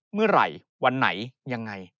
เมื่อไหร่วันไหนยังไง